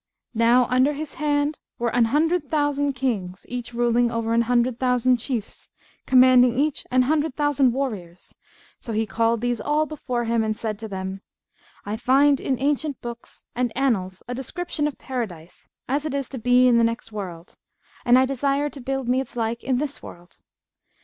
Now under his hand were an hundred thousand Kings, each ruling over an hundred thousand chiefs, commanding each an hundred thousand warriors; so he called these all before him and said to them, 'I find in ancient books and annals a description of Paradise, as it is to be in the next world, and I desire to build me its like in this world.